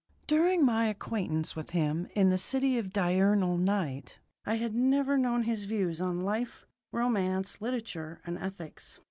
During my acquaintance with him in the City of Diurnal Night I had never known his views on life, romance, literature, and ethics.